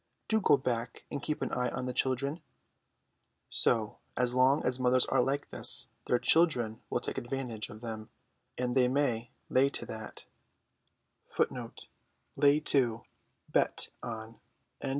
Do go back and keep an eye on the children." So long as mothers are like this their children will take advantage of them; and they may lay to that.